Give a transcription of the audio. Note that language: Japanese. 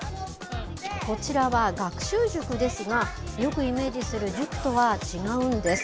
こちらは学習塾ですが、よくイメージする塾とは違うんです。